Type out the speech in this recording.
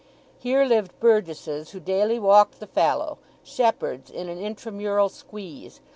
Here lived burgesses who daily walked the fallow; shepherds in an intra mural squeeze.